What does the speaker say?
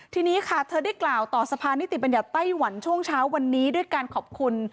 ทีนี้ค่ะเธอได้กล่าวต่อสะพานิติบัญญัติไต้หวันช่วงเช้าวันนี้ด้วยการขอบคุณ